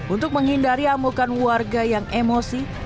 untuk menghindari amukan warga yang emosi